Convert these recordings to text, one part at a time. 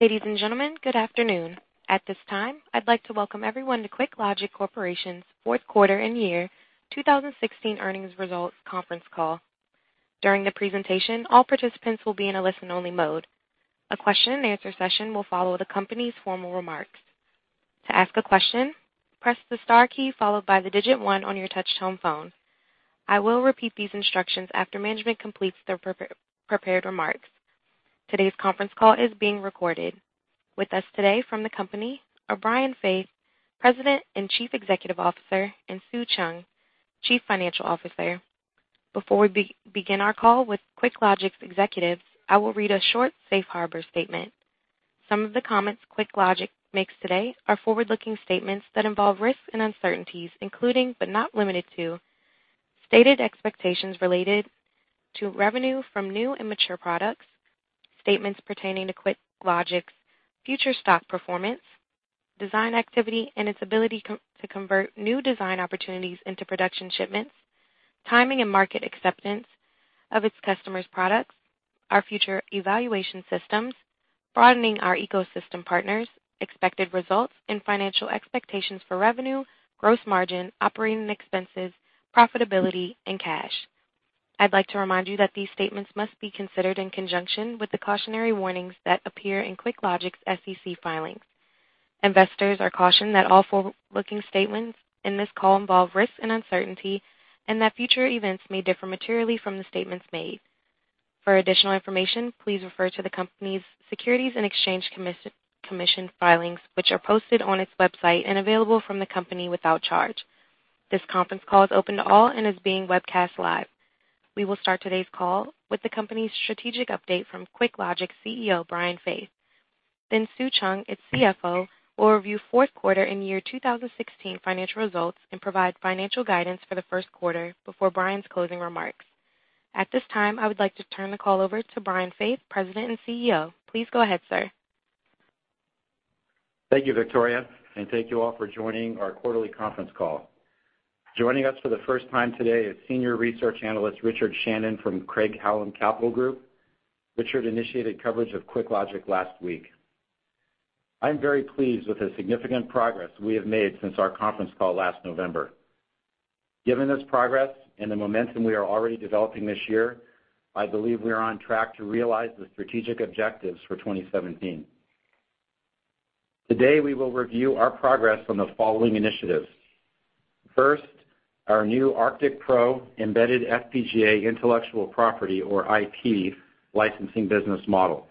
Ladies and gentlemen, good afternoon. At this time, I'd like to welcome everyone to QuickLogic Corporation's fourth quarter and year 2016 earnings results conference call. During the presentation, all participants will be in a listen-only mode. A question and answer session will follow the company's formal remarks. To ask a question, press the star key followed by the digit 1 on your touch-tone phone. I will repeat these instructions after management completes their prepared remarks. Today's conference call is being recorded. With us today from the company are Brian Faith, President and Chief Executive Officer, and Sue Cheung, Chief Financial Officer. Before we begin our call with QuickLogic's executives, I will read a short safe harbor statement. Some of the comments QuickLogic makes today are forward-looking statements that involve risks and uncertainties, including but not limited to, stated expectations related to revenue from new and mature products, statements pertaining to QuickLogic's future stock performance, design activity, and its ability to convert new design opportunities into production shipments, timing and market acceptance of its customers' products, our future evaluation systems, broadening our ecosystem partners, expected results, and financial expectations for revenue, gross margin, operating expenses, profitability, and cash. I'd like to remind you that these statements must be considered in conjunction with the cautionary warnings that appear in QuickLogic's SEC filings. Investors are cautioned that all forward-looking statements in this call involve risks and uncertainty, and that future events may differ materially from the statements made. For additional information, please refer to the company's Securities and Exchange Commission filings, which are posted on its website and available from the company without charge. This conference call is open to all and is being webcast live. We will start today's call with the company's strategic update from QuickLogic's CEO, Brian Faith. Sue Cheung, its CFO, will review fourth quarter and year 2016 financial results and provide financial guidance for the first quarter before Brian's closing remarks. At this time, I would like to turn the call over to Brian Faith, President and CEO. Please go ahead, sir. Thank you, Victoria, and thank you all for joining our quarterly conference call. Joining us for the first time today is Senior Research Analyst Richard Shannon from Craig-Hallum Capital Group. Richard initiated coverage of QuickLogic last week. I'm very pleased with the significant progress we have made since our conference call last November. Given this progress and the momentum we are already developing this year, I believe we are on track to realize the strategic objectives for 2017. Today, we will review our progress on the following initiatives. First, our new ArcticPro embedded FPGA intellectual property, or IP, licensing business model.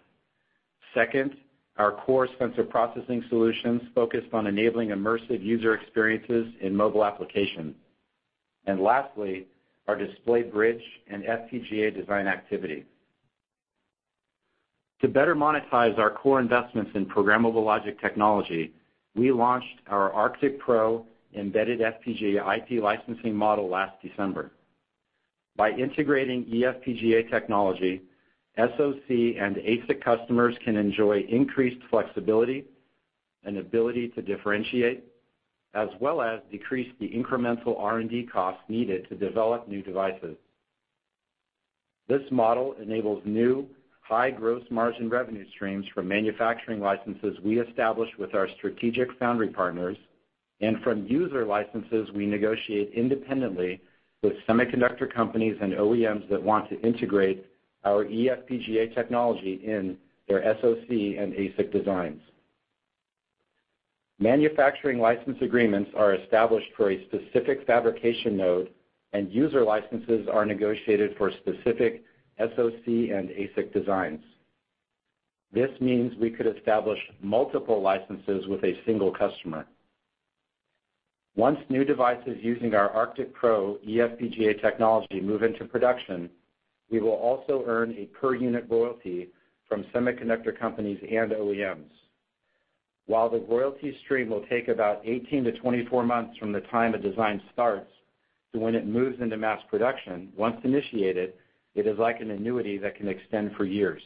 Second, our core sensor processing solutions focused on enabling immersive user experiences in mobile applications. Lastly, our DisplayBridge and FPGA design activity. To better monetize our core investments in programmable logic technology, we launched our ArcticPro embedded FPGA IP licensing model last December. By integrating eFPGA technology, SoC and ASIC customers can enjoy increased flexibility and ability to differentiate, as well as decrease the incremental R&D costs needed to develop new devices. This model enables new high gross margin revenue streams from manufacturing licenses we establish with our strategic foundry partners and from user licenses we negotiate independently with semiconductor companies and OEMs that want to integrate our eFPGA technology in their SoC and ASIC designs. Manufacturing license agreements are established for a specific fabrication node, and user licenses are negotiated for specific SoC and ASIC designs. This means we could establish multiple licenses with a single customer. Once new devices using our ArcticPro eFPGA technology move into production, we will also earn a per-unit royalty from semiconductor companies and OEMs. While the royalty stream will take about 18-24 months from the time a design starts to when it moves into mass production, once initiated, it is like an annuity that can extend for years.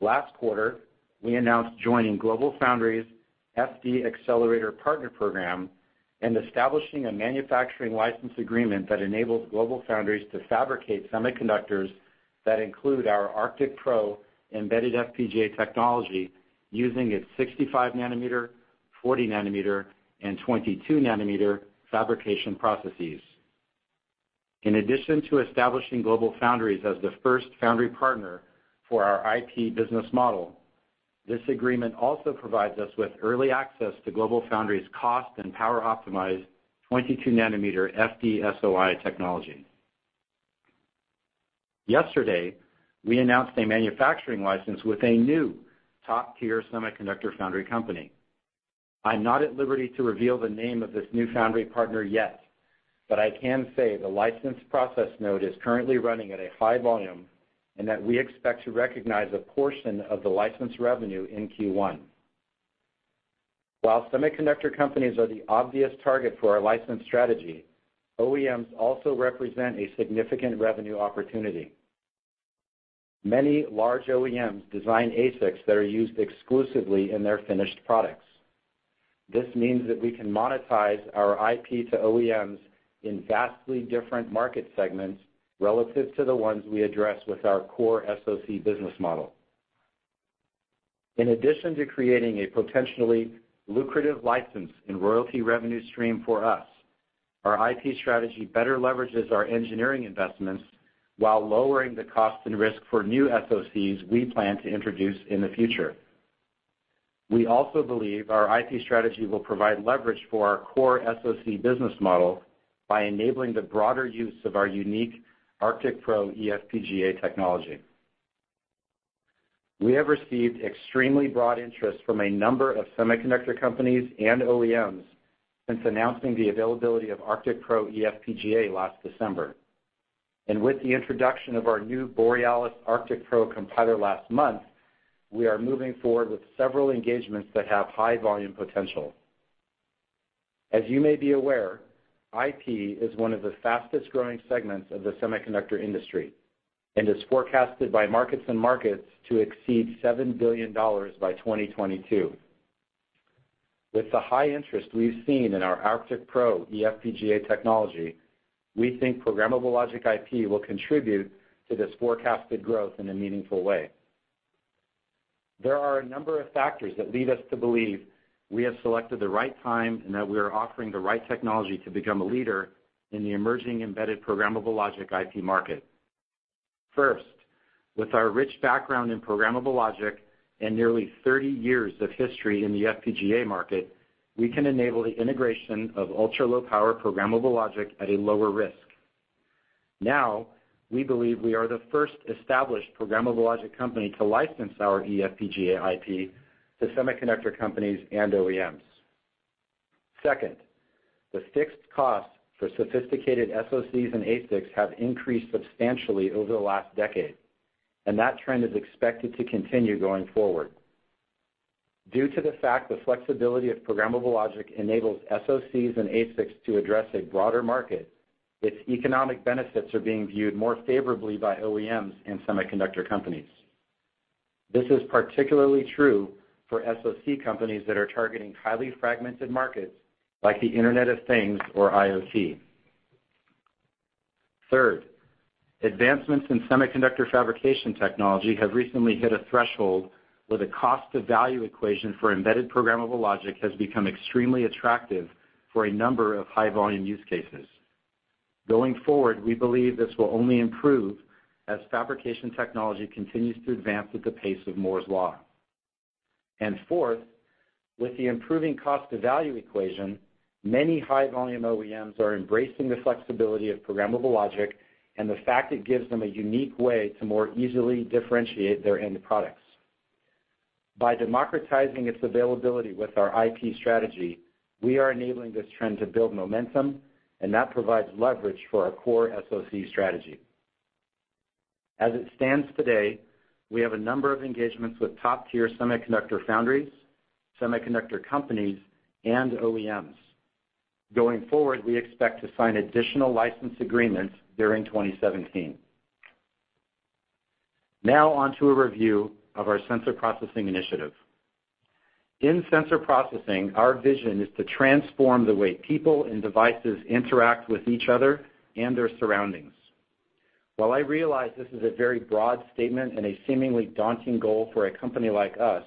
Last quarter, we announced joining GlobalFoundries FDXcelerator Partner Program and establishing a manufacturing license agreement that enables GlobalFoundries to fabricate semiconductors that include our ArcticPro embedded FPGA technology using its 65 nanometer, 40 nanometer, and 22 nanometer fabrication processes. In addition to establishing GlobalFoundries as the first foundry partner for our IP business model, this agreement also provides us with early access to GlobalFoundries' cost and power-optimized 22 nanometer FDSOI technology. Yesterday, we announced a manufacturing license with a new top-tier semiconductor foundry company. I'm not at liberty to reveal the name of this new foundry partner yet, I can say the license process node is currently running at a high volume, and that we expect to recognize a portion of the license revenue in Q1. While semiconductor companies are the obvious target for our license strategy, OEMs also represent a significant revenue opportunity. Many large OEMs design ASICs that are used exclusively in their finished products. This means that we can monetize our IP to OEMs in vastly different market segments relative to the ones we address with our core SoC business model. In addition to creating a potentially lucrative license and royalty revenue stream for us, our IP strategy better leverages our engineering investments while lowering the cost and risk for new SoCs we plan to introduce in the future. We also believe our IP strategy will provide leverage for our core SoC business model by enabling the broader use of our unique ArcticPro eFPGA technology. We have received extremely broad interest from a number of semiconductor companies and OEMs since announcing the availability of ArcticPro eFPGA last December. With the introduction of our new Borealis ArcticPro Compiler last month, we are moving forward with several engagements that have high volume potential. As you may be aware, IP is one of the fastest-growing segments of the semiconductor industry and is forecasted by MarketsandMarkets to exceed $7 billion by 2022. With the high interest we've seen in our ArcticPro eFPGA technology, we think programmable logic IP will contribute to this forecasted growth in a meaningful way. There are a number of factors that lead us to believe we have selected the right time, and that we are offering the right technology to become a leader in the emerging embedded programmable logic IP market. First, with our rich background in programmable logic and nearly 30 years of history in the FPGA market, we can enable the integration of ultra-low power programmable logic at a lower risk. Now, we believe we are the first established programmable logic company to license our eFPGA IP to semiconductor companies and OEMs. Second, the fixed costs for sophisticated SoCs and ASICs have increased substantially over the last decade, that trend is expected to continue going forward. Due to the fact the flexibility of programmable logic enables SoCs and ASICs to address a broader market, its economic benefits are being viewed more favorably by OEMs and semiconductor companies. This is particularly true for SoC companies that are targeting highly fragmented markets, like the Internet of Things or IoT. Third, advancements in semiconductor fabrication technology have recently hit a threshold where the cost to value equation for embedded programmable logic has become extremely attractive for a number of high-volume use cases. Going forward, we believe this will only improve as fabrication technology continues to advance at the pace of Moore's Law. Fourth, with the improving cost to value equation, many high-volume OEMs are embracing the flexibility of programmable logic and the fact it gives them a unique way to more easily differentiate their end products. By democratizing its availability with our IP strategy, we are enabling this trend to build momentum, that provides leverage for our core SoC strategy. As it stands today, we have a number of engagements with top-tier semiconductor foundries, semiconductor companies, and OEMs. Going forward, we expect to sign additional license agreements during 2017. Now on to a review of our sensor processing initiative. In sensor processing, our vision is to transform the way people and devices interact with each other and their surroundings. While I realize this is a very broad statement and a seemingly daunting goal for a company like us,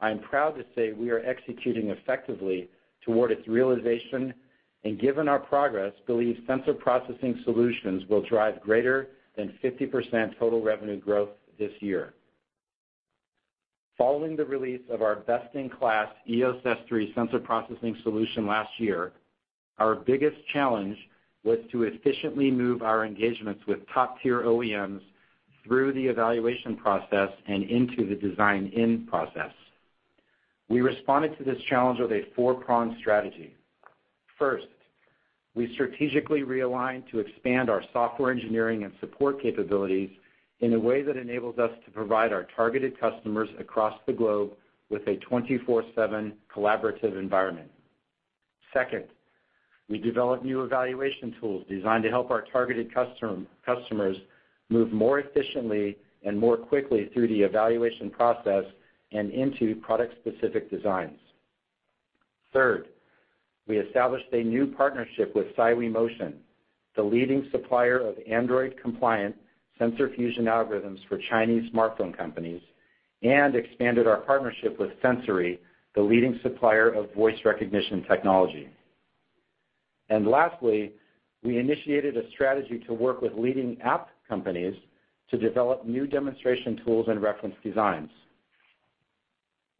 I am proud to say we are executing effectively toward its realization, and given our progress, believe sensor processing solutions will drive greater than 50% total revenue growth this year. Following the release of our best-in-class EOS S3 sensor processing solution last year, our biggest challenge was to efficiently move our engagements with top-tier OEMs through the evaluation process and into the design-in process. We responded to this challenge with a four-pronged strategy. First, we strategically realigned to expand our software engineering and support capabilities in a way that enables us to provide our targeted customers across the globe with a 24/7 collaborative environment. Second, we developed new evaluation tools designed to help our targeted customers move more efficiently and more quickly through the evaluation process and into product-specific designs. Third, we established a new partnership with SiWi Motion, the leading supplier of Android-compliant sensor fusion algorithms for Chinese smartphone companies, and expanded our partnership with Sensory, the leading supplier of voice recognition technology. Lastly, we initiated a strategy to work with leading app companies to develop new demonstration tools and reference designs.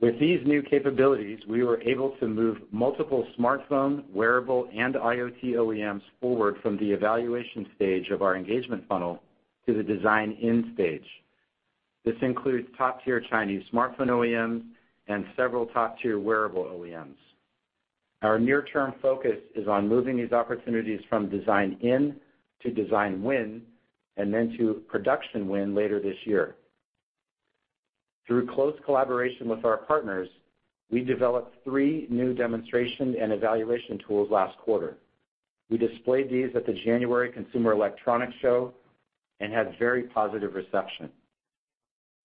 With these new capabilities, we were able to move multiple smartphone, wearable, and IoT OEMs forward from the evaluation stage of our engagement funnel to the design-in stage. This includes top-tier Chinese smartphone OEMs and several top-tier wearable OEMs. Our near-term focus is on moving these opportunities from design-in to design win, and then to production win later this year. Through close collaboration with our partners, we developed three new demonstration and evaluation tools last quarter. We displayed these at the January Consumer Electronics Show and had very positive reception.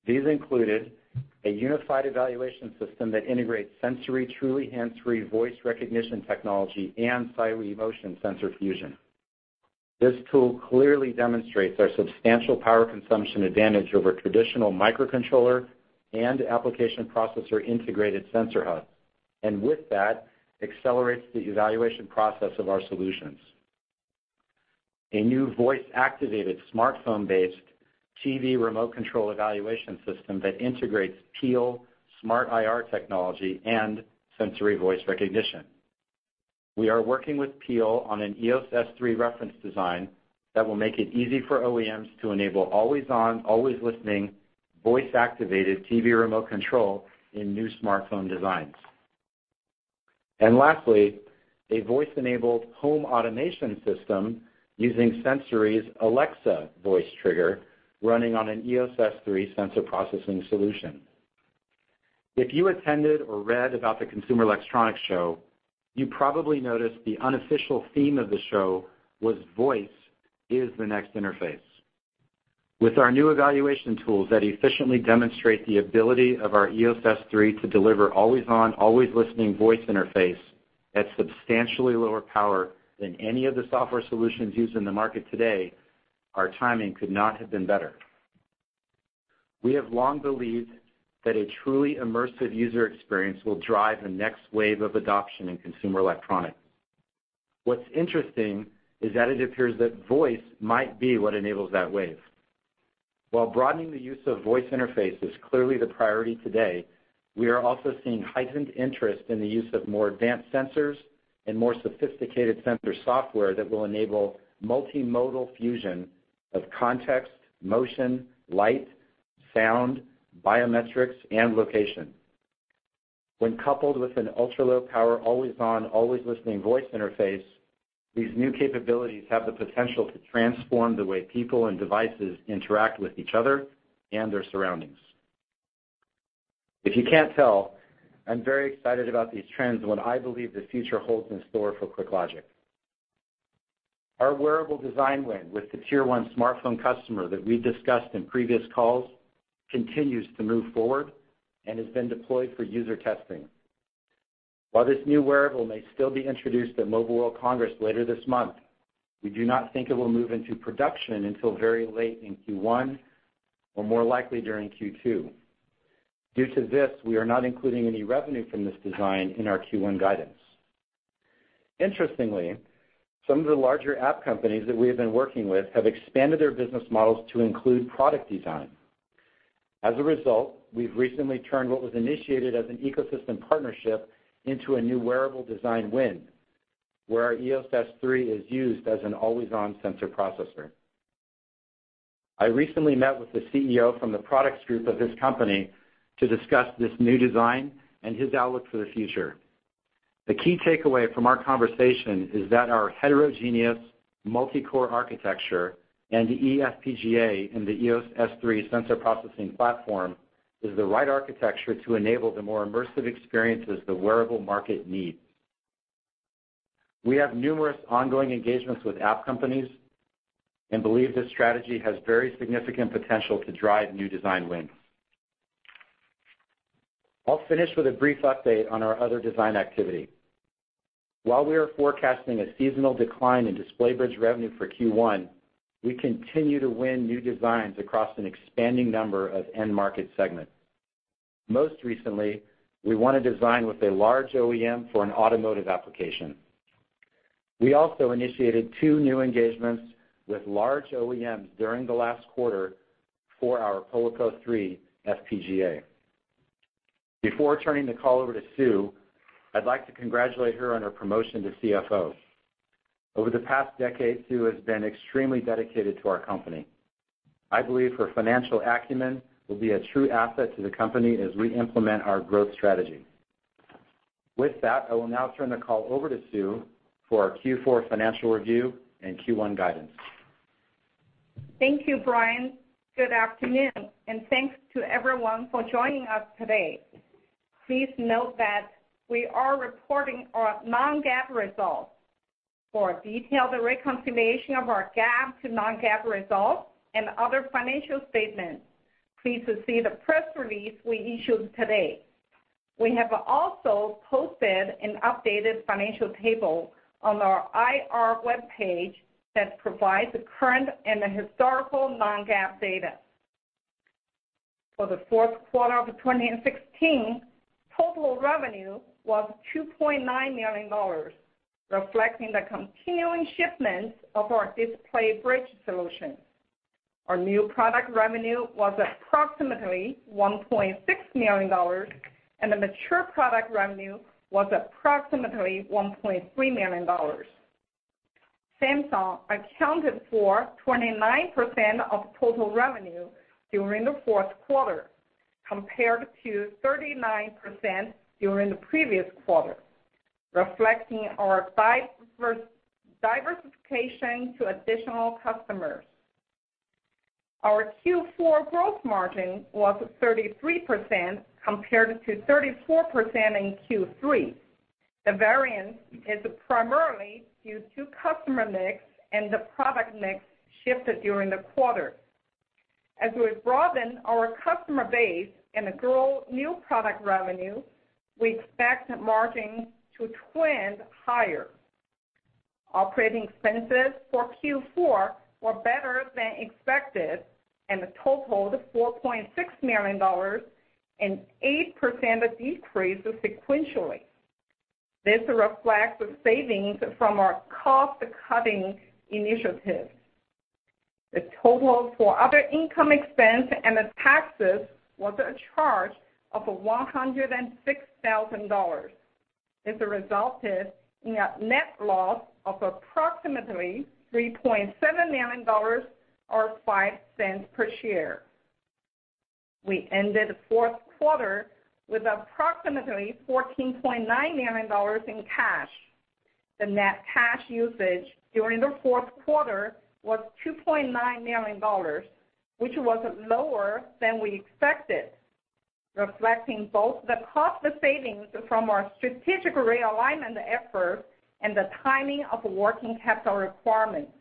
These included a unified evaluation system that integrates Sensory's truly hands-free voice recognition technology and SiWiMotion sensor fusion. This tool clearly demonstrates our substantial power consumption advantage over traditional microcontroller and application processor integrated sensor hubs, and with that, accelerates the evaluation process of our solutions. A new voice-activated smartphone-based TV remote control evaluation system that integrates Peel smart IR technology and Sensory voice recognition. We are working with Peel on an EOS S3 reference design that will make it easy for OEMs to enable always-on, always-listening, voice-activated TV remote control in new smartphone designs. Lastly, a voice-enabled home automation system using Sensory's Alexa voice trigger running on an EOS S3 sensor processing solution. If you attended or read about the Consumer Electronics Show, you probably noticed the unofficial theme of the show was voice is the next interface. With our new evaluation tools that efficiently demonstrate the ability of our EOS S3 to deliver always-on, always-listening voice interface at substantially lower power than any of the software solutions used in the market today, our timing could not have been better. We have long believed that a truly immersive user experience will drive the next wave of adoption in consumer electronics. What's interesting is that it appears that voice might be what enables that wave. While broadening the use of voice interface is clearly the priority today, we are also seeing heightened interest in the use of more advanced sensors and more sophisticated sensor software that will enable multimodal fusion of context, motion, light, sound, biometrics, and location. When coupled with an ultra-low power, always-on, always-listening voice interface, these new capabilities have the potential to transform the way people and devices interact with each other and their surroundings. If you can't tell, I'm very excited about these trends and what I believe the future holds in store for QuickLogic. Our wearable design win with the Tier 1 smartphone customer that we discussed in previous calls continues to move forward and has been deployed for user testing. While this new wearable may still be introduced at Mobile World Congress later this month, we do not think it will move into production until very late in Q1 or more likely during Q2. Due to this, we are not including any revenue from this design in our Q1 guidance. Interestingly, some of the larger app companies that we have been working with have expanded their business models to include product design. As a result, we've recently turned what was initiated as an ecosystem partnership into a new wearable design win, where our EOS S3 is used as an always-on sensor processor. I recently met with the CEO from the products group of this company to discuss this new design and his outlook for the future. The key takeaway from our conversation is that our heterogeneous multi-core architecture and the eFPGA in the EOS S3 sensor processing platform is the right architecture to enable the more immersive experiences the wearable market needs. We have numerous ongoing engagements with app companies and believe this strategy has very significant potential to drive new design wins. I'll finish with a brief update on our other design activity. While we are forecasting a seasonal decline in DisplayBridge revenue for Q1, we continue to win new designs across an expanding number of end market segments. Most recently, we won a design with a large OEM for an automotive application. We also initiated two new engagements with large OEMs during the last quarter for our PolarPro 3 FPGA. Before turning the call over to Sue, I'd like to congratulate her on her promotion to CFO. Over the past decade, Sue has been extremely dedicated to our company. I believe her financial acumen will be a true asset to the company as we implement our growth strategy. With that, I will now turn the call over to Sue for our Q4 financial review and Q1 guidance. Thank you, Brian. Good afternoon, and thanks to everyone for joining us today. Please note that we are reporting our non-GAAP results. For a detailed reconciliation of our GAAP to non-GAAP results and other financial statements, please see the press release we issued today. We have also posted an updated financial table on our IR webpage that provides the current and the historical non-GAAP data. For the fourth quarter of 2016, total revenue was $2.9 million, reflecting the continuing shipments of our DisplayBridge solution. Our new product revenue was approximately $1.6 million, and the mature product revenue was approximately $1.3 million. Samsung accounted for 29% of total revenue during the fourth quarter, compared to 39% during the previous quarter, reflecting our diversification to additional customers. Our Q4 gross margin was 33% compared to 34% in Q3. The variance is primarily due to customer mix and the product mix shifted during the quarter. As we broaden our customer base and grow new product revenue, we expect margins to trend higher. Operating expenses for Q4 were better than expected and totaled $4.6 million, an 8% decrease sequentially. This reflects savings from our cost-cutting initiative. The total for other income expense and taxes was a charge of $106,000. This resulted in a net loss of approximately $3.7 million, or $0.05 per share. We ended the fourth quarter with approximately $14.9 million in cash. The net cash usage during the fourth quarter was $2.9 million, which was lower than we expected, reflecting both the cost savings from our strategic realignment efforts and the timing of working capital requirements.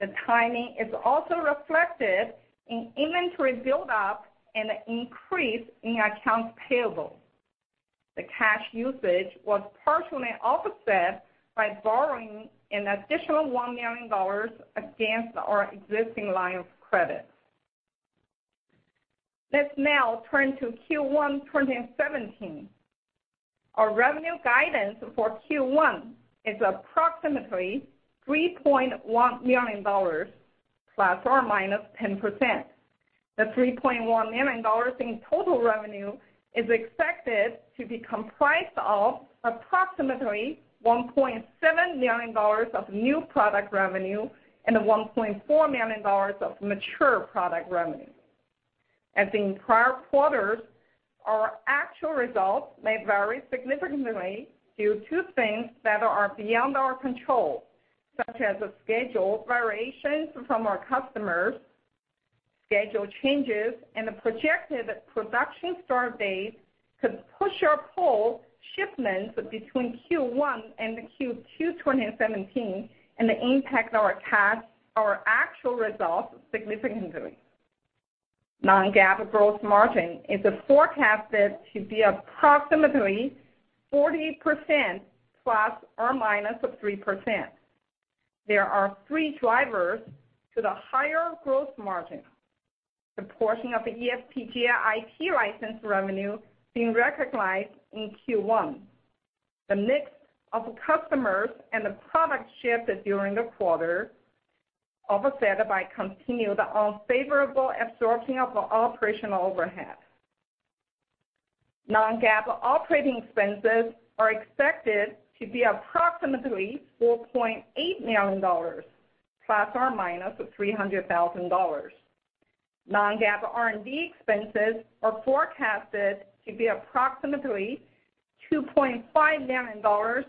The timing is also reflected in inventory buildup and an increase in accounts payable. The cash usage was partially offset by borrowing an additional $1 million against our existing line of credit. Let's now turn to Q1 2017. Our revenue guidance for Q1 is approximately $3.1 million ±10%. The $3.1 million in total revenue is expected to be comprised of approximately $1.7 million of new product revenue and $1.4 million of mature product revenue. As in prior quarters, our actual results may vary significantly due to things that are beyond our control, such as schedule variations from our customers, schedule changes, and the projected production start date could push or pull shipments between Q1 and Q2 2017, and impact our actual results significantly. Non-GAAP gross margin is forecasted to be approximately 40% ±3%. There are three drivers to the higher growth margin. The portion of the eFPGA IP license revenue being recognized in Q1, the mix of customers and the product shift during the quarter, offset by continued unfavorable absorption of operational overhead. Non-GAAP operating expenses are expected to be approximately $4.8 million ±$300,000. Non-GAAP R&D expenses are forecasted to be approximately $2.5 million. Our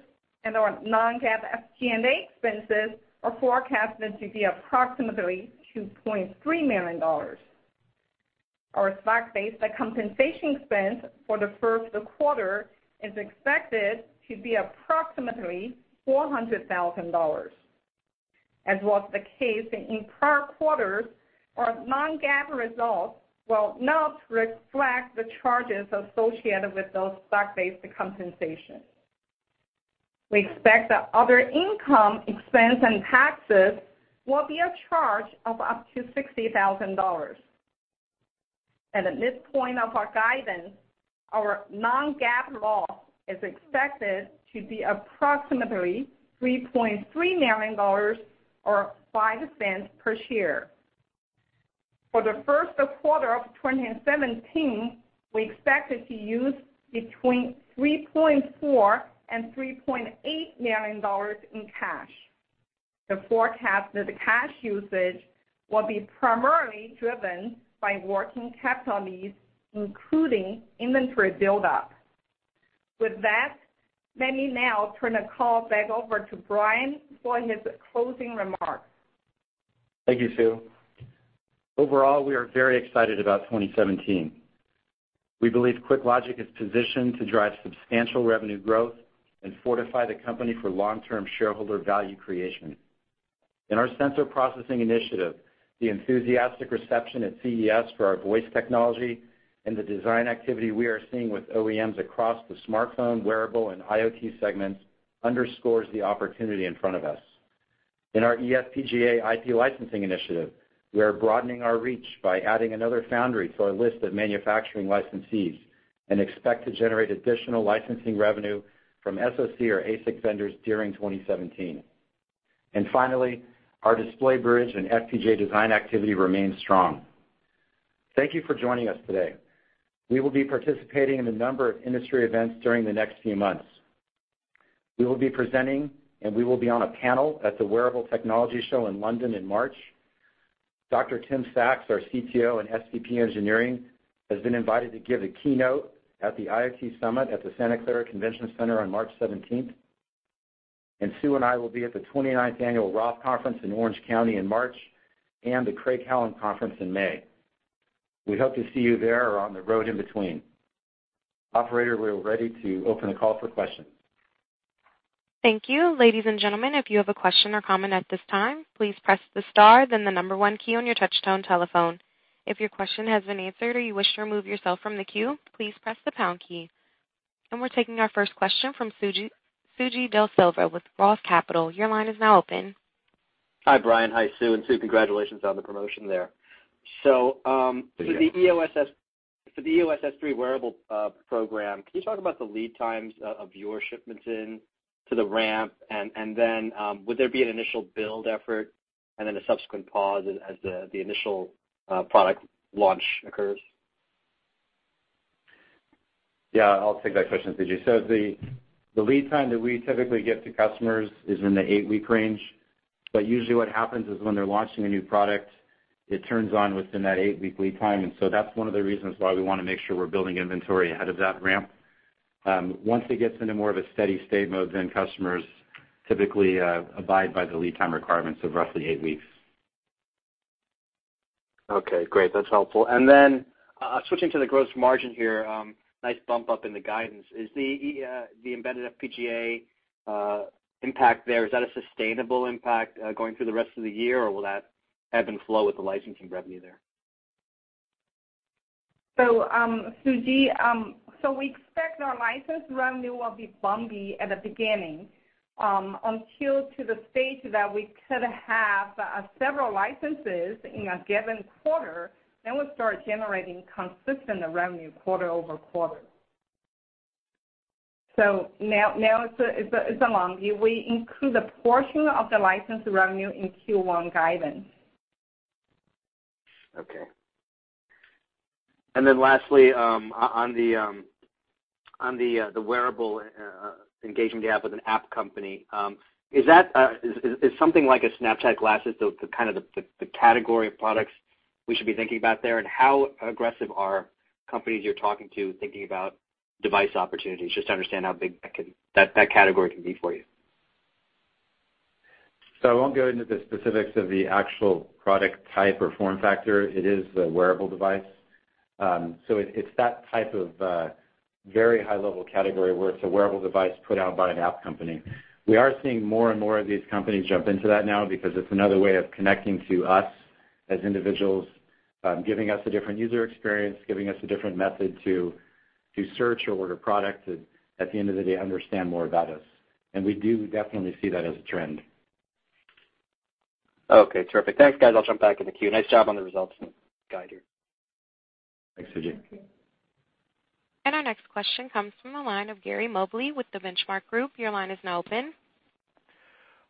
non-GAAP SG&A expenses are forecasted to be approximately $2.3 million. Our stock-based compensation expense for the first quarter is expected to be approximately $400,000. As was the case in prior quarters, our non-GAAP results will not reflect the charges associated with those stock-based compensation. We expect that other income expense and taxes will be a charge of up to $60,000. At this point of our guidance, our non-GAAP loss is expected to be approximately $3.3 million, or $0.05 per share. For the first quarter of 2017, we expect to use between $3.4 and $3.8 million in cash. The forecasted cash usage will be primarily driven by working capital needs, including inventory buildup. With that, let me now turn the call back over to Brian for his closing remarks. Thank you, Sue. Overall, we are very excited about 2017. We believe QuickLogic is positioned to drive substantial revenue growth and fortify the company for long-term shareholder value creation. In our sensor processing initiative, the enthusiastic reception at CES for our voice technology and the design activity we are seeing with OEMs across the smartphone, wearable, and IoT segments underscores the opportunity in front of us. In our eFPGA IP licensing initiative, we are broadening our reach by adding another foundry to our list of manufacturing licensees and expect to generate additional licensing revenue from SoC or ASIC vendors during 2017. Finally, our DisplayBridge and FPGA design activity remains strong. Thank you for joining us today. We will be participating in a number of industry events during the next few months. We will be presenting and we will be on a panel at the Wearable Technology Show in London in March. Dr. Tim Saxe, our CTO and SVP of engineering, has been invited to give the keynote at the IoT summit at the Santa Clara Convention Center on March 17th. Sue and I will be at the 29th Annual ROTH Conference in Orange County in March, and the Craig-Hallum Conference in May. We hope to see you there or on the road in between. Operator, we're ready to open the call for questions. Thank you. Ladies and gentlemen, if you have a question or comment at this time, please press the star, then the number one key on your touch-tone telephone. If your question has been answered or you wish to remove yourself from the queue, please press the pound key. We're taking our first question from Suji Desilva with ROTH Capital. Your line is now open. Hi, Brian. Hi, Sue, and Sue, congratulations on the promotion there. Thank you. For the EOS S3 wearable program, can you talk about the lead times of your shipments in to the ramp, and then would there be an initial build effort and then a subsequent pause as the initial product launch occurs? Yeah, I'll take that question, Suji. The lead time that we typically give to customers is in the eight-week range. Usually what happens is when they're launching a new product, it turns on within that eight-week lead time, that's one of the reasons why we want to make sure we're building inventory ahead of that ramp. Once it gets into more of a steady state mode, then customers typically abide by the lead time requirements of roughly eight weeks. Okay, great. That's helpful. Then, switching to the gross margin here, nice bump up in the guidance. Is the embedded FPGA impact there, is that a sustainable impact, going through the rest of the year, or will that ebb and flow with the licensing revenue there? Suji, we expect our license revenue will be bumpy at the beginning, until to the stage that we could have several licenses in a given quarter, then we'll start generating consistent revenue quarter-over-quarter. Now it's a long view. We include a portion of the license revenue in Q1 guidance. Okay. Lastly, on the wearable engaging the app with an app company, is something like a Snapchat glasses the kind of the category of products we should be thinking about there, and how aggressive are companies you're talking to thinking about device opportunities, just to understand how big that category can be for you? I won't go into the specifics of the actual product type or form factor. It is a wearable device. It's that type of very high-level category where it's a wearable device put out by an app company. We are seeing more and more of these companies jump into that now because it's another way of connecting to us as individuals, giving us a different user experience, giving us a different method to search or order product, and at the end of the day, understand more about us. We do definitely see that as a trend. Okay, terrific. Thanks, guys. I'll jump back in the queue. Nice job on the results and guide here. Thanks, Suji. Thank you. Our next question comes from the line of Gary Mobley with The Benchmark Group. Your line is now open.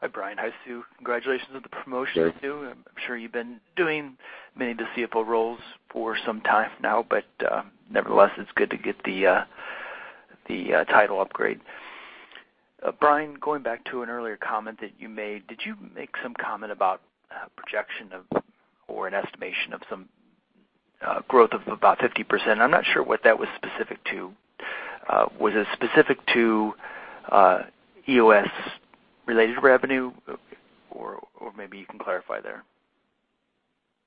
Hi, Brian. Hi, Sue. Congratulations on the promotion, Sue. Gary. I'm sure you've been doing many discernible roles for some time now, but, nevertheless, it's good to get the title upgrade. Brian, going back to an earlier comment that you made, did you make some comment about projection of or an estimation of some growth of about 50%? I'm not sure what that was specific to. Was it specific to EOS-related revenue, or maybe you can clarify there.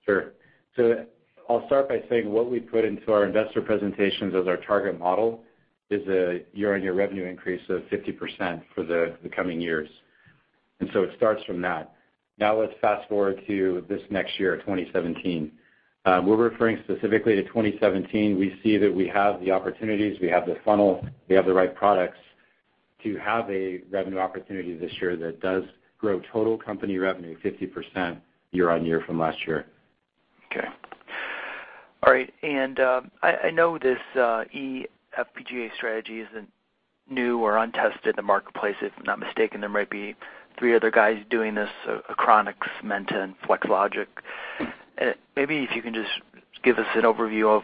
Sure. I'll start by saying what we put into our investor presentations as our target model is a year-on-year revenue increase of 50% for the coming years. It starts from that. Let's fast-forward to this next year, 2017. We're referring specifically to 2017. We see that we have the opportunities, we have the funnel, we have the right products to have a revenue opportunity this year that does grow total company revenue 50% year-on-year from last year. Okay. All right, I know this eFPGA strategy isn't new or untested in the marketplace. If I'm not mistaken, there might be three other guys doing this, Achronix, Menta, and Flex Logix. Maybe if you can just give us an overview of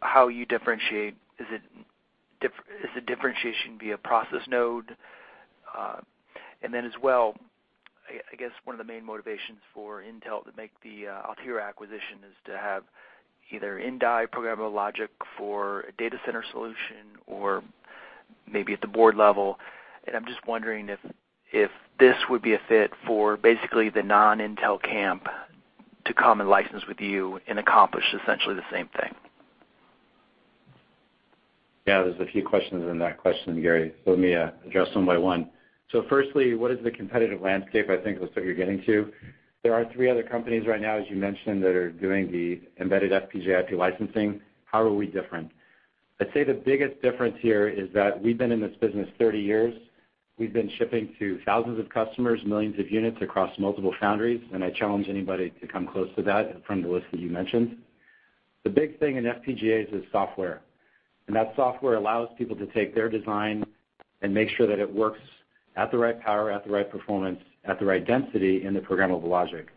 how you differentiate. Is the differentiation via process node? Then as well, I guess one of the main motivations for Intel to make the Altera acquisition is to have either in-die programmable logic for a data center solution or maybe at the board level, and I'm just wondering if this would be a fit for basically the non-Intel camp to come and license with you and accomplish essentially the same thing. Yeah, there's a few questions in that question, Gary, let me address them one by one. Firstly, what is the competitive landscape, I think was what you're getting to. There are three other companies right now, as you mentioned, that are doing the embedded FPGA IP licensing. How are we different? I'd say the biggest difference here is that we've been in this business 30 years. We've been shipping to thousands of customers, millions of units across multiple foundries, I challenge anybody to come close to that from the list that you mentioned. The big thing in FPGAs is software, that software allows people to take their design and make sure that it works at the right power, at the right performance, at the right density in the programmable logic.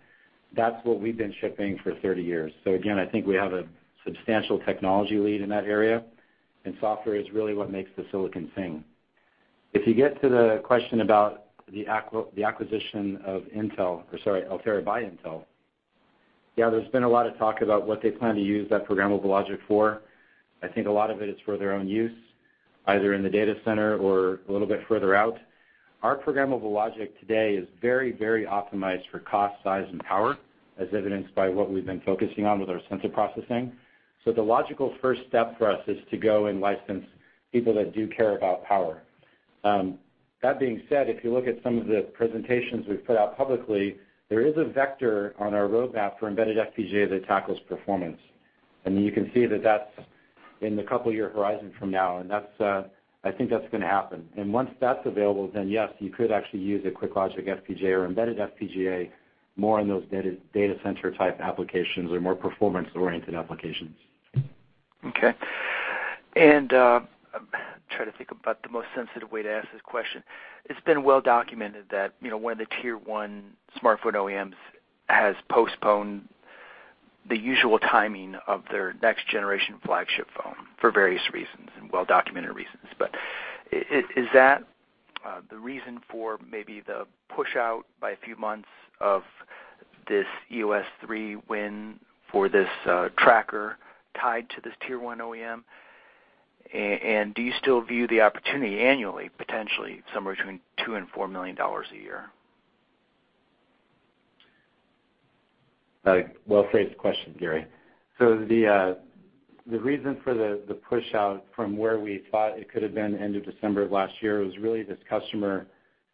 That's what we've been shipping for 30 years. Again, I think we have a substantial technology lead in that area, software is really what makes the silicon sing. If you get to the question about the acquisition of Altera by Intel, there's been a lot of talk about what they plan to use that programmable logic for. I think a lot of it is for their own use, either in the data center or a little bit further out. Our programmable logic today is very optimized for cost, size, and power, as evidenced by what we've been focusing on with our sensor processing. The logical first step for us is to go and license people that do care about power. That being said, if you look at some of the presentations we've put out publicly, there is a vector on our roadmap for embedded FPGA that tackles performance. You can see that's in the couple-year horizon from now, and I think that's going to happen. Once that's available, then yes, you could actually use a QuickLogic FPGA or embedded FPGA more in those data center type applications or more performance-oriented applications. Okay. I'm trying to think about the most sensitive way to ask this question. It's been well documented that one of the tier one smartphone OEMs has postponed the usual timing of their next generation flagship phone for various reasons, and well-documented reasons. Is that the reason for maybe the push out by a few months of this EOS S3 win for this tracker tied to this tier one OEM? Do you still view the opportunity annually, potentially somewhere between $2 million and $4 million a year? Well-phrased question, Gary. The reason for the push out from where we thought it could have been end of December of last year was really this customer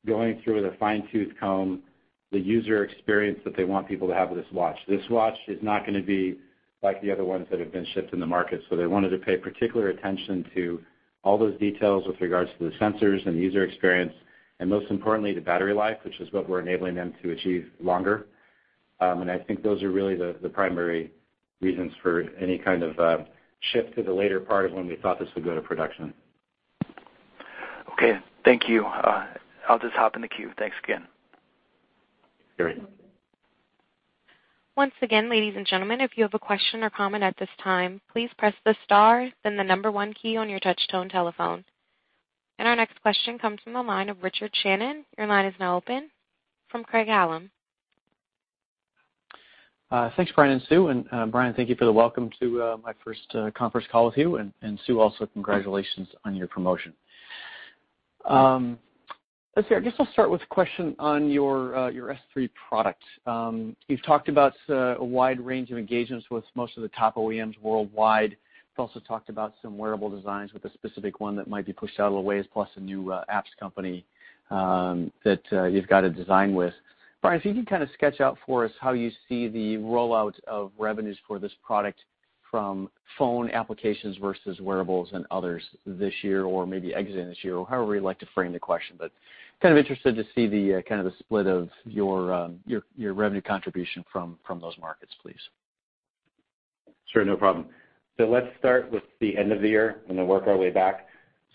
going through with a fine-tooth comb the user experience that they want people to have with this watch. This watch is not going to be like the other ones that have been shipped in the market. They wanted to pay particular attention to all those details with regards to the sensors and the user experience, and most importantly, the battery life, which is what we're enabling them to achieve longer. I think those are really the primary reasons for any kind of shift to the later part of when we thought this would go to production. Okay, thank you. I'll just hop in the queue. Thanks again. Great. Once again, ladies and gentlemen, if you have a question or comment at this time, please press the star, then the number 1 key on your touch-tone telephone. Our next question comes from the line of Richard Shannon. Your line is now open from Craig-Hallum. Thanks, Brian and Sue, Brian, thank you for the welcome to my first conference call with you, and Sue, also congratulations on your promotion. Let's see. I guess I'll start with a question on your S3 product. You've talked about a wide range of engagements with most of the top OEMs worldwide. You've also talked about some wearable designs with a specific one that might be pushed out a ways, plus a new apps company that you've got a design with. Brian, if you can kind of sketch out for us how you see the rollout of revenues for this product from phone applications versus wearables and others this year or maybe exiting this year, or however you'd like to frame the question. Kind of interested to see the split of your revenue contribution from those markets, please. Sure, no problem. Let's start with the end of the year and work our way back.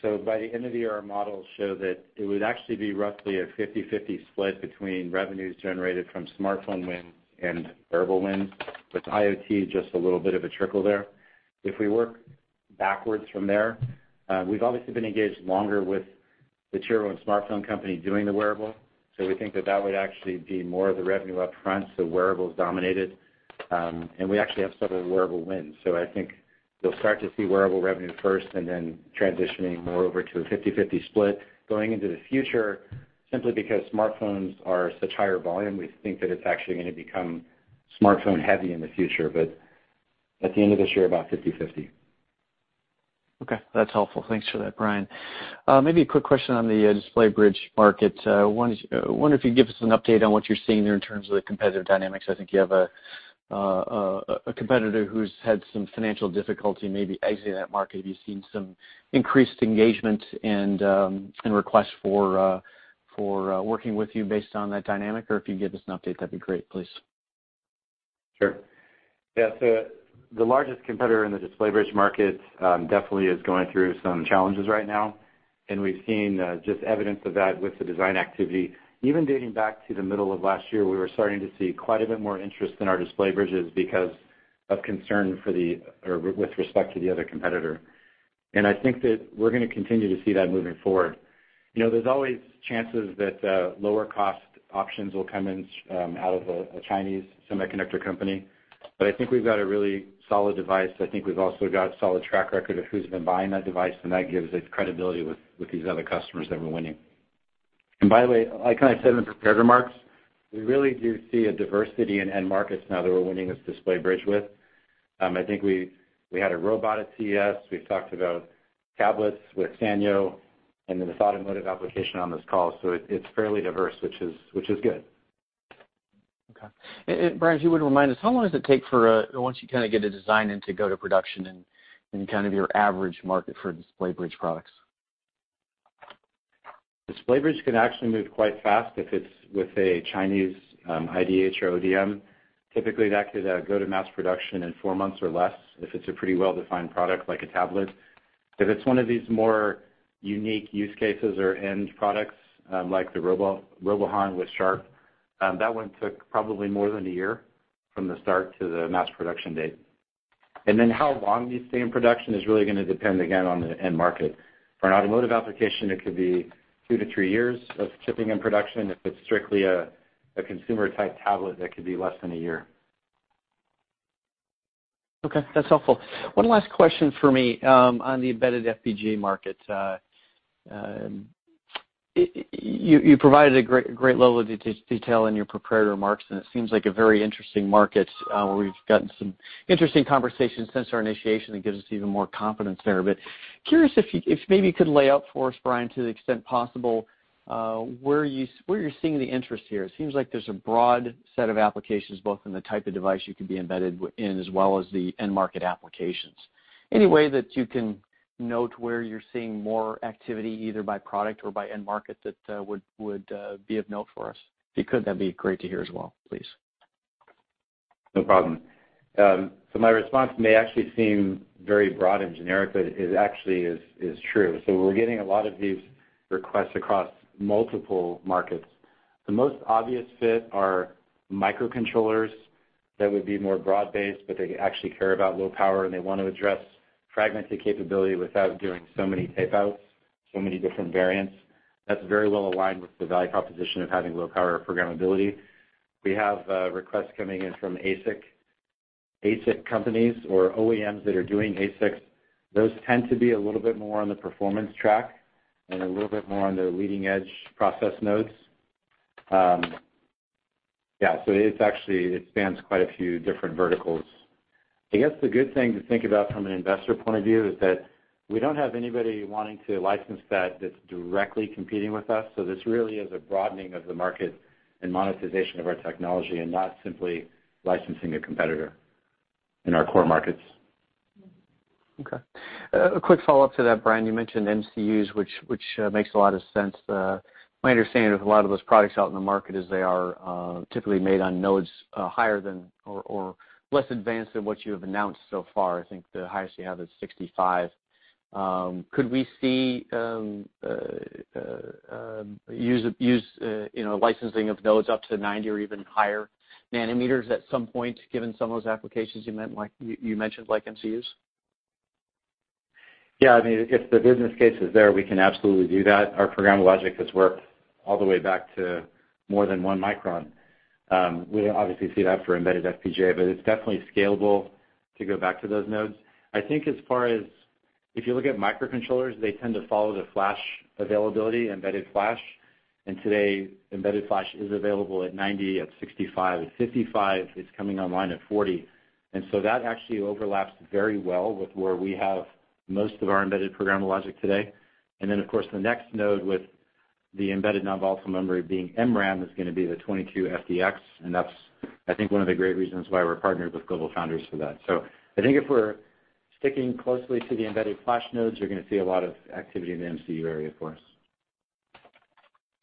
By the end of the year, our models show that it would actually be roughly a 50/50 split between revenues generated from smartphone wins and wearable wins, with IoT just a little bit of a trickle there. If we work backwards from there, we've obviously been engaged longer with the tier 1 smartphone company doing the wearable, we think that that would actually be more of the revenue up front, wearables dominated. We actually have several wearable wins. I think you'll start to see wearable revenue first and then transitioning more over to a 50/50 split going into the future. Simply because smartphones are such higher volume, we think that it's actually going to become smartphone-heavy in the future. At the end of this year, about 50/50. That's helpful. Thanks for that, Brian. A quick question on the DisplayBridge market. I wonder if you can give us an update on what you're seeing there in terms of the competitive dynamics. I think you have a competitor who's had some financial difficulty maybe exiting that market. Have you seen some increased engagement and requests for working with you based on that dynamic? If you can give us an update, that'd be great, please. Sure. Yeah. The largest competitor in the DisplayBridge market definitely is going through some challenges right now. We've seen just evidence of that with the design activity. Even dating back to the middle of last year, we were starting to see quite a bit more interest in our DisplayBridges because of concern with respect to the other competitor. I think that we're going to continue to see that moving forward. There's always chances that lower cost options will come in out of a Chinese semiconductor company. I think we've got a really solid device. I think we've also got a solid track record of who's been buying that device. That gives it credibility with these other customers that we're winning. By the way, like I said in the prepared remarks, we really do see a diversity in end markets now that we're winning this DisplayBridge with. I think we had a robot at CES. We've talked about tablets with Sanyo. This automotive application on this call. It's fairly diverse, which is good. Okay. Brian, if you would remind us, how long does it take for once you kind of get a design in to go to production in kind of your average market for DisplayBridge products? DisplayBridge can actually move quite fast if it's with a Chinese IDH or ODM. Typically, that could go to mass production in 4 months or less if it's a pretty well-defined product like a tablet. If it's one of these more unique use cases or end products, like the RoBoHoN with Sharp, that one took probably more than a year from the start to the mass production date. Then how long these stay in production is really going to depend again on the end market. For an automotive application, it could be two to three years of chipping in production. If it's strictly a consumer-type tablet, that could be less than a year. Okay. That's helpful. One last question from me on the embedded FPGA market. You provided a great level of detail in your prepared remarks, and it seems like a very interesting market. We've gotten some interesting conversations since our initiation that gives us even more confidence there. Curious if maybe you could lay out for us, Brian, to the extent possible, where you're seeing the interest here. It seems like there's a broad set of applications, both in the type of device you could be embedded in as well as the end market applications. Any way that you can note where you're seeing more activity, either by product or by end market, that would be of note for us. If you could, that would be great to hear as well, please. No problem. My response may actually seem very broad and generic, but it actually is true. We're getting a lot of these requests across multiple markets. The most obvious fit are microcontrollers that would be more broad-based, but they actually care about low power, and they want to address fragmented capability without doing so many tape outs, so many different variants. That's very well aligned with the value proposition of having low-power programmability. We have requests coming in from ASIC companies or OEMs that are doing ASICs. Those tend to be a little bit more on the performance track and a little bit more on the leading-edge process nodes. It spans quite a few different verticals. I guess the good thing to think about from an investor point of view is that we don't have anybody wanting to license that's directly competing with us, so this really is a broadening of the market and monetization of our technology and not simply licensing a competitor in our core markets. Okay. A quick follow-up to that, Brian. You mentioned MCUs, which makes a lot of sense. My understanding of a lot of those products out in the market is they are typically made on nodes higher than or less advanced than what you have announced so far. I think the highest you have is 65. Could we see licensing of nodes up to 90 or even higher nanometers at some point, given some of those applications you mentioned, like MCUs? Yeah. If the business case is there, we can absolutely do that. Our programmable logic has worked all the way back to more than one micron. We don't obviously see that for embedded FPGA, but it's definitely scalable to go back to those nodes. I think as far as if you look at microcontrollers, they tend to follow the flash availability, embedded flash. Today, embedded flash is available at 90, at 65, at 55. It's coming online at 40. So that actually overlaps very well with where we have most of our embedded programmable logic today. Then, of course, the next node with the embedded non-volatile memory being MRAM is going to be the 22FDX, and that's, I think, one of the great reasons why we're partnered with GlobalFoundries for that. I think if we're sticking closely to the embedded flash nodes, you're going to see a lot of activity in the MCU area, of course.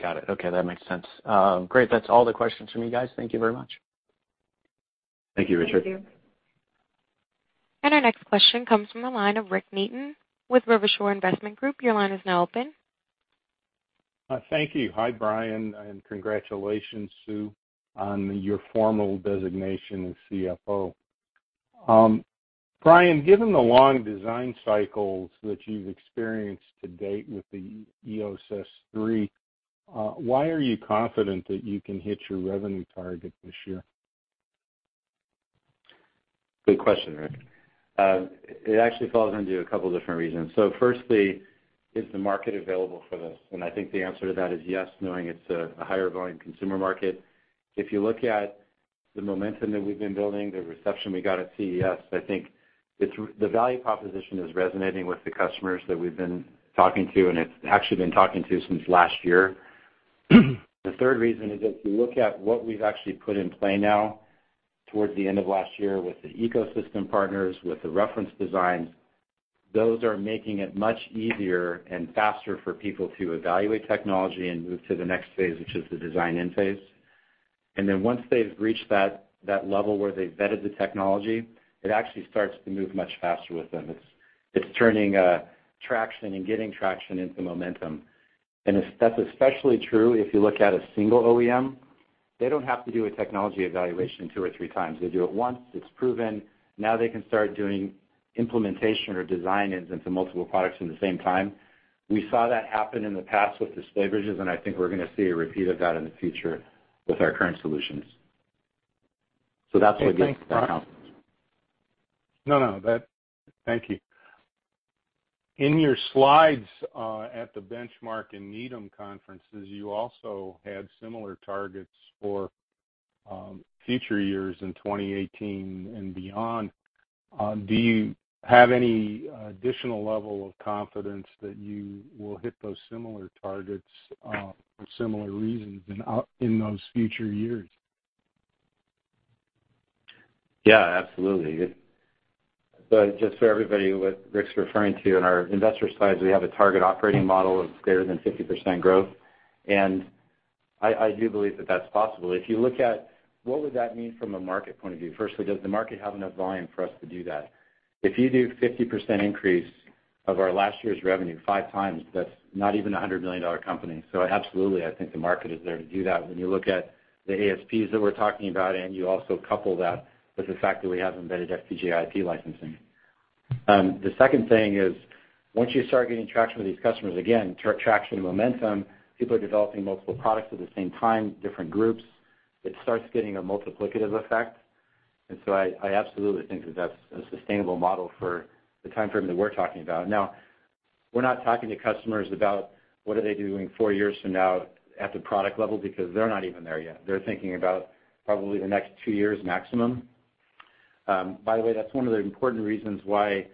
Got it. Okay. That makes sense. Great. That's all the questions from me, guys. Thank you very much. Thank you, Richard. Thank you. Our next question comes from the line of Rick Neaton with River Shore Investment Group. Your line is now open. Thank you. Hi, Brian, and congratulations, Sue, on your formal designation as CFO. Brian, given the long design cycles that you've experienced to date with the EOS S3, why are you confident that you can hit your revenue target this year? Good question, Rick. Firstly, is the market available for this? I think the answer to that is yes, knowing it's a higher volume consumer market. If you look at the momentum that we've been building, the reception we got at CES, I think the value proposition is resonating with the customers that we've been talking to, and it's actually been talking to since last year. The third reason is if you look at what we've actually put in play now towards the end of last year with the ecosystem partners, with the reference designs, those are making it much easier and faster for people to evaluate technology and move to the next phase, which is the design-in phase. Then once they've reached that level where they vetted the technology, it actually starts to move much faster with them. It's turning traction and getting traction into momentum. That's especially true if you look at a single OEM. They don't have to do a technology evaluation two or three times. They do it once. It's proven. Now they can start doing implementation or design-ins into multiple products in the same time. We saw that happen in the past with display bridges, I think we're going to see a repeat of that in the future with our current solutions. That's what gives that confidence. No, no. Thank you. In your slides at the Benchmark and Needham conferences, you also had similar targets for future years in 2018 and beyond. Do you have any additional level of confidence that you will hit those similar targets for similar reasons in those future years? Absolutely. Just for everybody, what Rick's referring to in our investor slides, we have a target operating model of greater than 50% growth, I do believe that that's possible. If you look at what would that mean from a market point of view, firstly, does the market have enough volume for us to do that? If you do 50% increase of our last year's revenue, five times, that's not even a $100 million company. Absolutely, I think the market is there to do that. When you look at the ASPs that we're talking about, you also couple that with the fact that we have embedded FPGA IP licensing. The second thing is, once you start getting traction with these customers, again, traction and momentum, people are developing multiple products at the same time, different groups. It starts getting a multiplicative effect. I absolutely think that's a sustainable model for the timeframe that we're talking about. Now, we're not talking to customers about what are they doing 4 years from now at the product level, because they're not even there yet. They're thinking about probably the next 2 years maximum. By the way, that's one of the important reasons why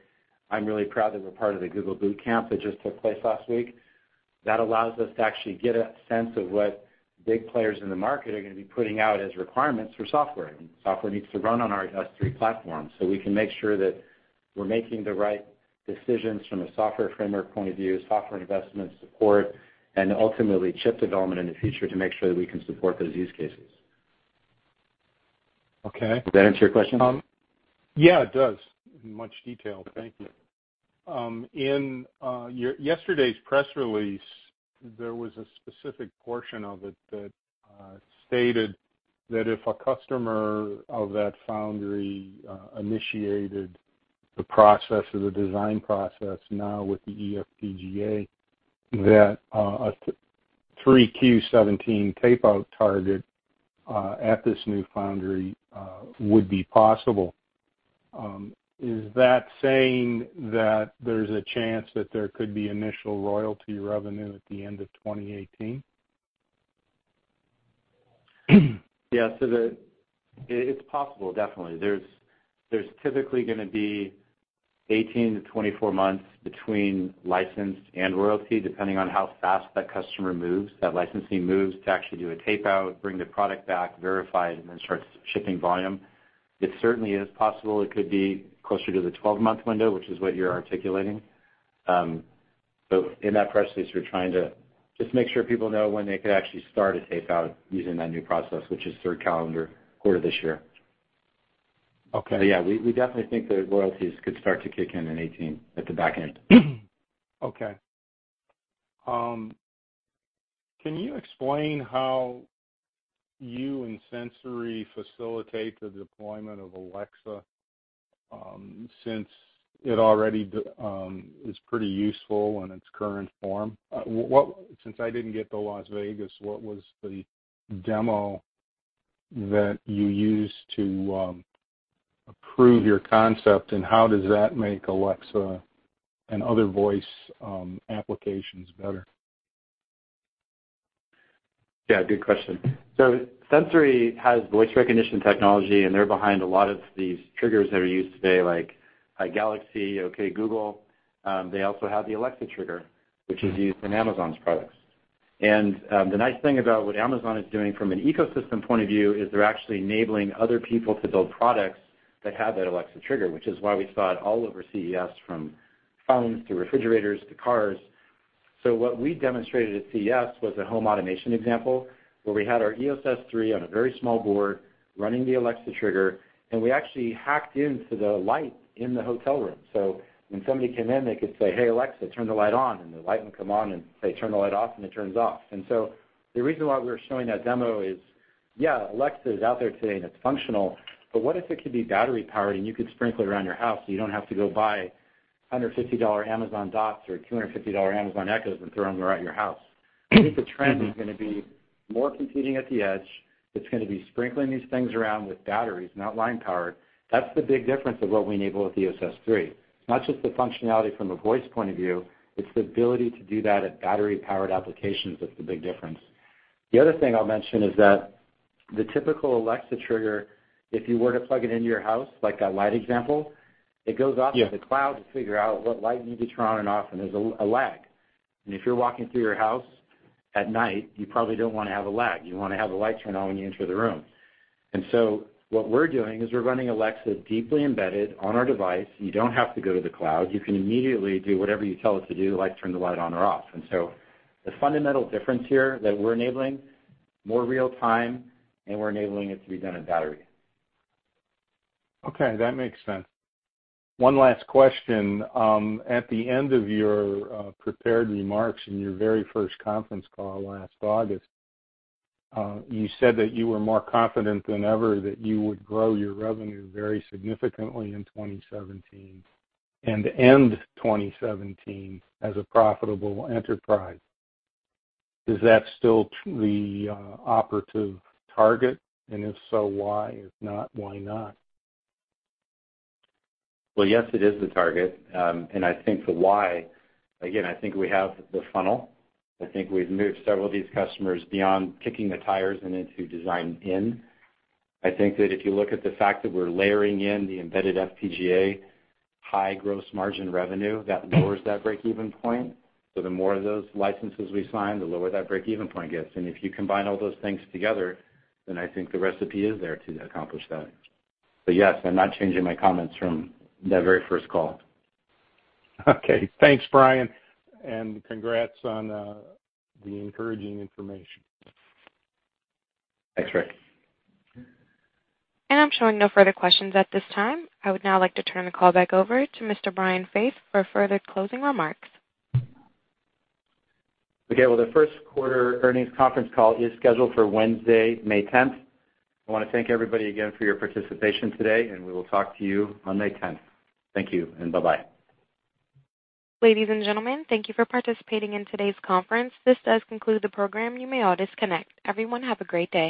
I'm really proud that we're part of the Google Bootcamp that just took place last week. That allows us to actually get a sense of what big players in the market are going to be putting out as requirements for software. Software needs to run on our S3 platform so we can make sure that we're making the right decisions from a software framework point of view, software investment support, and ultimately chip development in the future to make sure that we can support those use cases. Okay. Does that answer your question? Yeah, it does, in much detail. Thank you. In yesterday's press release, there was a specific portion of it that stated that if a customer of that foundry initiated the process or the design process now with the eFPGA, that a 3Q 2017 tape-out target at this new foundry would be possible. Is that saying that there's a chance that there could be initial royalty revenue at the end of 2018? Yeah. It's possible, definitely. There's typically going to be 18-24 months between license and royalty, depending on how fast that customer moves, that licensee moves to actually do a tape-out, bring the product back, verify it, and then start shipping volume. It certainly is possible it could be closer to the 12-month window, which is what you're articulating. In that press release, we're trying to just make sure people know when they could actually start a tape-out using that new process, which is third calendar quarter of this year. Okay. Yeah, we definitely think that royalties could start to kick in in 2018 at the back end. Okay. Can you explain how you and Sensory facilitate the deployment of Alexa, since it already is pretty useful in its current form? Since I didn't get to Las Vegas, what was the demo that you used to prove your concept, and how does that make Alexa and other voice applications better? Yeah, good question. Sensory has voice recognition technology, and they're behind a lot of these triggers that are used today, like, "Hi, Galaxy," "Okay, Google." They also have the Alexa trigger, which is used in Amazon's products. The nice thing about what Amazon is doing from an ecosystem point of view is they're actually enabling other people to build products that have that Alexa trigger, which is why we saw it all over CES, from phones to refrigerators to cars. What we demonstrated at CES was a home automation example where we had our EOS S3 on a very small board running the Alexa trigger, and we actually hacked into the light in the hotel room. When somebody came in, they could say, "Hey, Alexa, turn the light on," and the light would come on, and say, "Turn the light off," and it turns off. The reason why we were showing that demo is, yeah, Alexa is out there today, and it's functional, but what if it could be battery-powered and you could sprinkle it around your house, so you don't have to go buy $150 Amazon Echo Dots or $250 Amazon Echos and throw them throughout your house? I think the trend is going to be more computing at the edge. It's going to be sprinkling these things around with batteries, not line powered. That's the big difference of what we enable with the EOS S3. It's not just the functionality from a voice point of view, it's the ability to do that at battery-powered applications that's the big difference. The other thing I'll mention is that the typical Alexa trigger, if you were to plug it into your house, like that light example, it goes off. Yeah to the cloud to figure out what light needs to turn on and off, there's a lag. If you're walking through your house at night, you probably don't want to have a lag. You want to have the light turn on when you enter the room. What we're doing is we're running Alexa deeply embedded on our device. You don't have to go to the cloud. You can immediately do whatever you tell it to do, like turn the light on or off. The fundamental difference here that we're enabling more real time, and we're enabling it to be done on battery. Okay, that makes sense. One last question. At the end of your prepared remarks in your very first conference call last August, you said that you were more confident than ever that you would grow your revenue very significantly in 2017 and end 2017 as a profitable enterprise. Is that still the operative target? If so, why? If not, why not? Well, yes, it is the target. I think the why, again, I think we have the funnel. I think we've moved several of these customers beyond kicking the tires and into design in. I think that if you look at the fact that we're layering in the embedded FPGA, high gross margin revenue, that lowers that breakeven point. The more of those licenses we sign, the lower that breakeven point gets. If you combine all those things together, then I think the recipe is there to accomplish that. Yes, I'm not changing my comments from that very first call. Okay. Thanks, Brian, and congrats on the encouraging information. Thanks, Rick. I'm showing no further questions at this time. I would now like to turn the call back over to Mr. Brian Faith for further closing remarks. Okay. Well, the first quarter earnings conference call is scheduled for Wednesday, May 10th. I want to thank everybody again for your participation today, and we will talk to you on May 10th. Thank you, and bye-bye. Ladies and gentlemen, thank you for participating in today's conference. This does conclude the program. You may all disconnect. Everyone have a great day.